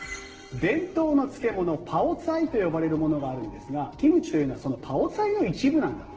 伝統の漬物、パオツァイと呼ばれるものがあるんですがキムチはこのパオツァイの一部なんだと。